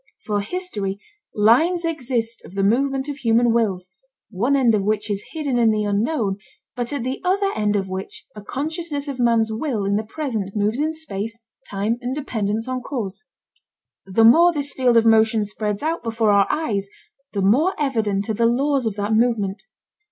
For history, lines exist of the movement of human wills, one end of which is hidden in the unknown but at the other end of which a consciousness of man's will in the present moves in space, time, and dependence on cause. The more this field of motion spreads out before our eyes, the more evident are the laws of that movement.